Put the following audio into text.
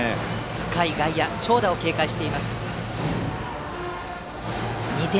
深い外野長打を警戒しています。